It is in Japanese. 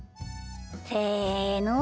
せの。